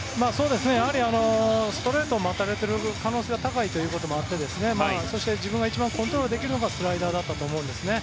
やはりストレートを待たれている可能性が高いということもあって自分が一番コントロールできるのがスライダーだったんですね。